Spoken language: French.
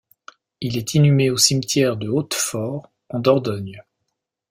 Il est inhumé au cimetière de Hautefort en Dordogne.